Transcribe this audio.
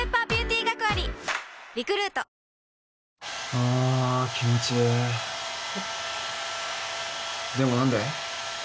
あぁ気持ちいいでもなんで？